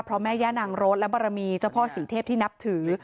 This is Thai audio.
เพราะแม่ย่านางรถและบารมีเจ้าพ่อศรีเทพที่นับถือ